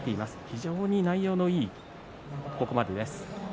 非常に内容のいいここまでです。